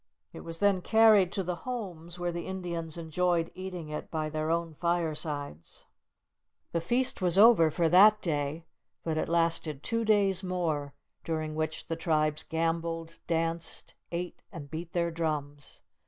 It was then carried to the homes, where the Indians enjoyed eating it by their own firesides. The feast was over for that day, but it lasted two days more, during which the tribes gambled, danced, ate, and beat their drums.